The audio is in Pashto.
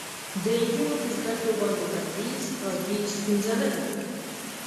د نجونو په زده کړو باندې بندیز عادي ستونزه نه ده.